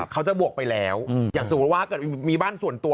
เขาจะบวกไปแล้วอย่างสมมุติว่าเกิดมีบ้านส่วนตัว